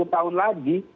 sepuluh dua puluh tahun lagi